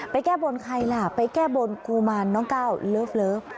แก้บนใครล่ะไปแก้บนกุมารน้องก้าวเลิฟ